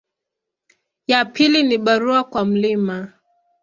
Ya pili ni barua kwa Mt.